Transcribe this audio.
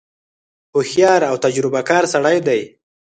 هوښیار او تجربه کار سړی دی.